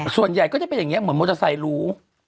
ส่วนใหญ่ก็จะเป็นอย่างนี้เหมือนมอเตอร์ไซค์รู้